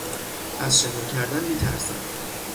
از شنا کردن میترسد.